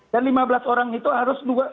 dan lima belas orang itu harus